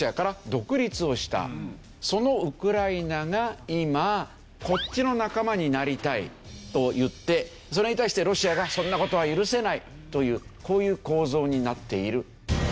そのウクライナが今こっちの仲間になりたいと言ってそれに対してロシアがそんな事は許せないというこういう構造になっている。